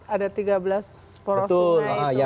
ada tiga belas porosunai itu